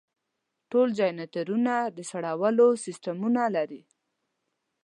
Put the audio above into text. ټول جنریټرونه د سړولو سیستمونه لري.